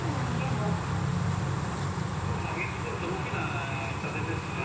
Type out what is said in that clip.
もう打撃です、大きな痛手ですね。